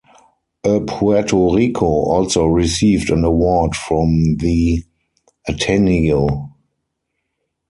"A Puerto Rico" also received an award from the "Ateneo".